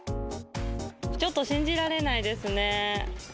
ちょっと信じられないですね。